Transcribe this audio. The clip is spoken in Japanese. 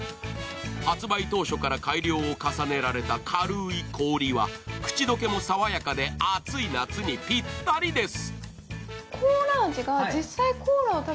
発売当初から改良を重ねた軽い氷は口溶けも爽やかで暑い夏にぴったりです。